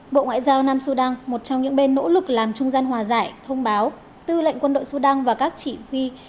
bộ ngoại giao nam sudan một trong những bên nỗ lực làm trung gian hòa giải thông báo tư lệnh quân đội sudan và các chỉ huy